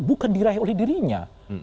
bukan diraih oleh dirinya